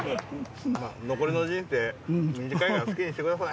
残りの人生短いから好きにしてください。